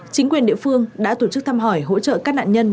chính quyền địa phương đã tổ chức thăm hỏi hỗ trợ các nạn nhân